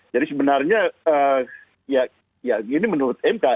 jadi sebenarnya ini menurut mk